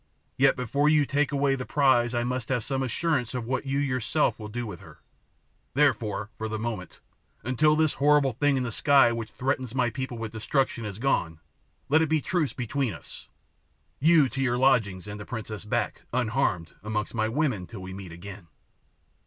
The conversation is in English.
Yet before you take away the prize I must have some assurance of what you yourself will do with her. Therefore, for the moment, until this horrible thing in the sky which threatens my people with destruction has gone, let it be truce between us you to your lodgings, and the princess back, unharmed, amongst my women till we meet again."